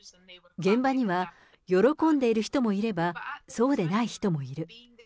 現場には喜んでいる人もいれば、そうでない人もいる。